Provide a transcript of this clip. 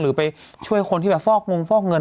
ไปช่วยคนที่แบบฟอกงงฟอกเงิน